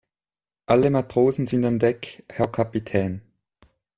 Alle Matrosen sind an Deck, Herr Kapitän.